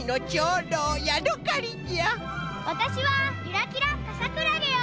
わたしはキラキラかさクラゲよ！